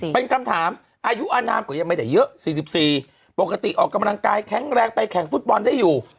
เป็นคำถามอายุอนามก็ยังไม่ได้เยอะ๔๔ปกติออกกำลังกายแข็งแรงไปแข่งฟุตบอลได้อยู่